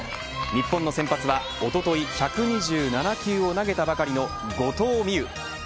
日本の先発は、おととい１２７球を投げたばかりの後藤希友。